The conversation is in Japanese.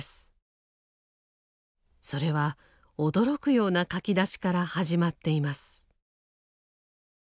それは驚くような書き出しから始まっています。